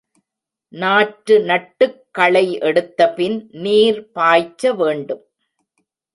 நாற்று நட்டுக் களை எடுத்தபின் நீர் பாய்ச்ச வேண்டும்.